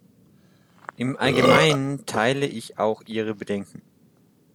Im Allgemeinen teile ich auch ihre Bedenken.